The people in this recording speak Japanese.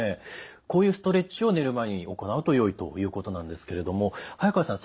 こういうストレッチを寝る前に行うとよいということなんですけれども早川さん